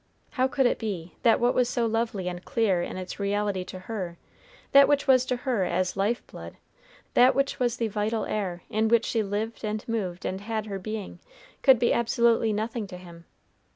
How could it be that what was so lovely and clear in its reality to her, that which was to her as life blood, that which was the vital air in which she lived and moved and had her being, could be absolutely nothing to him?